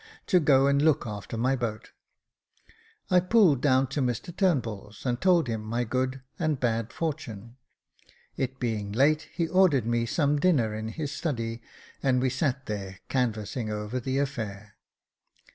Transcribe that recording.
to go and look after my boat. I pulled down to Mr Turnbull's, and told him my good and bad fortune. It being late, he ordered me some dinner in his study, and we sat there can vassing over the affair.